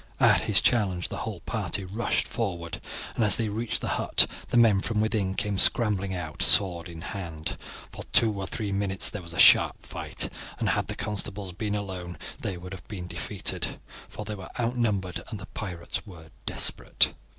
At his challenge the whole party rushed forward, and as they reached the hut the men from within came scrambling out, sword in hand. For two or three minutes there was a sharp fight, and had the constables been alone they would have been defeated, for they were outnumbered and the pirates were desperate.